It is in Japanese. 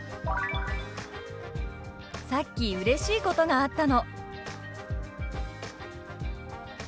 「さっきうれしいことがあったの」。